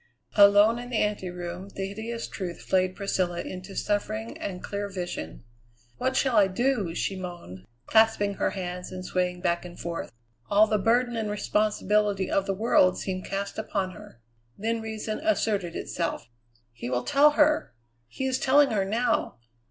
Alone in the anteroom, the hideous truth flayed Priscilla into suffering and clear vision. "What shall I do?" she moaned, clasping her hands and swaying back and forth. All the burden and responsibility of the world seemed cast upon her. Then reason asserted itself. "He will tell her! He is telling her now!